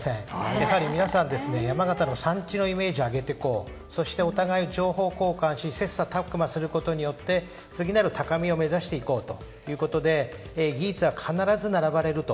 やはり皆さん山形の産地のイメージを挙げてそして情報交換し切磋琢磨することによって次なる高みを目指していこうということで技術は必ず並ばれると。